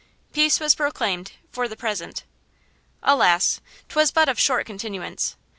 Peace was proclaimed–for the present. Alas! 'twas but of short continuance.